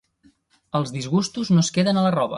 Els disgustos no es queden a la roba.